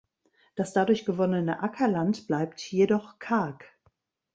Das dadurch gewonnene Ackerland bleibt jedoch karg.